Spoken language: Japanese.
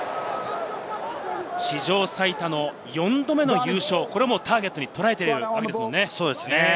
史上最多の４度目の優勝もターゲットに捉えているわけですよね。